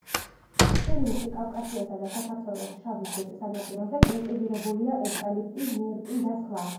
ყირიმში, კავკასიასა და საქართველოს შავი ზღვის სანაპიროზე კულტივირებულია ევკალიპტი, მირტი და სხვა.